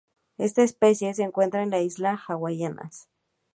Esta especie se encuentra en las islas hawaianas.